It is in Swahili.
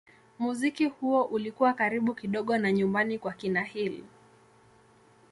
Muziki huo ulikuwa karibu kidogo na nyumbani kwa kina Hill.